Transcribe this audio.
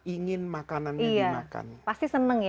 ingin makanannya dimakan